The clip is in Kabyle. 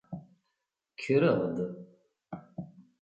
Kkreɣ-d.